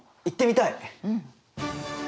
行ってみたい！